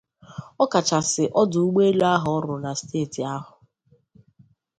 ọkachasị ọdụ ụgbọelu ahụ ọ rụrụ na steeti ahụ